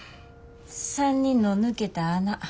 ３人の抜けた穴